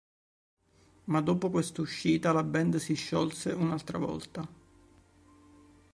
Ma, dopo questa uscita, la band si sciolse un'altra volta.